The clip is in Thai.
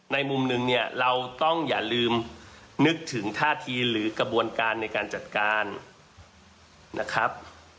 ในมุมหนึ่งเนี่ยเราต้องอย่าลืมนึกถึงท่าทีหรือกระบวนการในการจัดการนะครับ